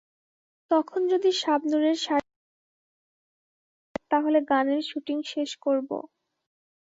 তখন যদি শাবনূরের শারীরিক গঠন ঠিকঠাক থাকে, তাহলে গানের শুটিং শেষ করব।